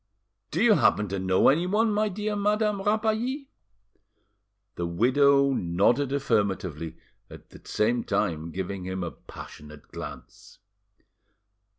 "Do you happen to know anyone, my dear Madame Rapally?" The widow nodded affirmatively, at the same time giving him a passionate glance.